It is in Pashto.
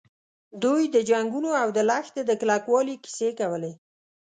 دوی د جنګونو او د لښتې د کلکوالي کیسې کولې.